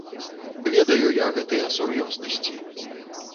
Ведаю я гэтыя сур'ёзнасці.